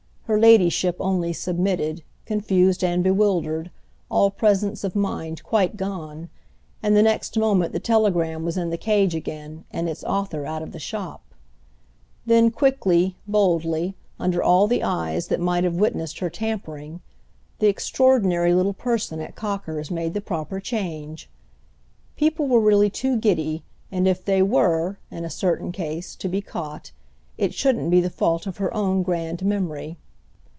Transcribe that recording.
Her ladyship only submitted, confused and bewildered, all presence of mind quite gone; and the next moment the telegram was in the cage again and its author out of the shop. Then quickly, boldly, under all the eyes that might have witnessed her tampering, the extraordinary little person at Cocker's made the proper change. People were really too giddy, and if they were, in a certain case, to be caught, it shouldn't be the fault of her own grand memory.